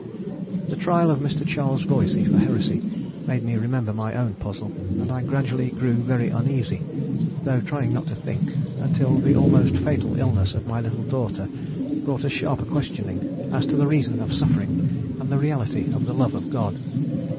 The trial of Mr. Charles Voysey for heresy made me remember my own puzzle, and I gradually grew very uneasy, though trying not to think, until the almost fatal illness of my little daughter brought a sharper questioning as to the reason of suffering and the reality of the love of God.